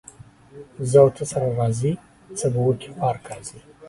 زه او ته سره راضي ، څه به وکي خوار قاضي.